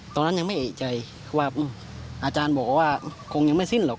ตอนนั้นยังไม่เอกใจว่าอาจารย์บอกว่าคงยังไม่สิ้นหรอก